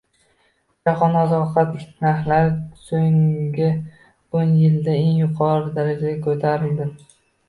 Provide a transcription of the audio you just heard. Jahonda oziq-ovqat narxlari so‘nggio´nyildagi eng yuqori darajaga ko‘tarildi